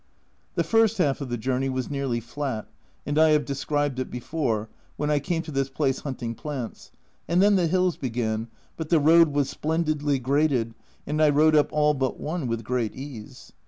The first half of the journey was nearly flat, and I have described it before, when I came to this place hunting plants ; and then the hills began, but the road was splendidly graded, and I rode up all but one with great ease.